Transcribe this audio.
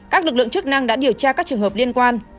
các lực lượng chức năng đã điều tra các trường hợp liên quan